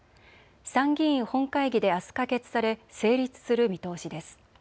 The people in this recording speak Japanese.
参議院本会議であす可決され成立する見通しです。